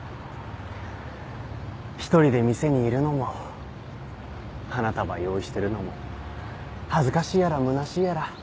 一人で店にいるのも花束用意してるのも恥ずかしいやらむなしいやら。